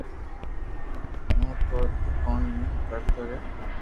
ھون تو دڪل مون ڪرتو رھيو